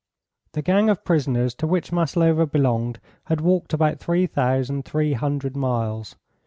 The gang of prisoners to which Maslova belonged had walked about three thousand three hundred miles.